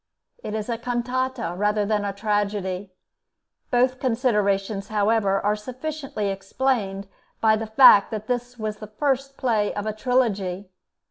It is a cantata rather than a tragedy. Both considerations, however, are sufficiently explained by the fact that this was the first play of a trilogy.